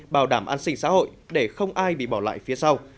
bảo đảm an sinh xã hội để không ai bị bỏ lại phía sau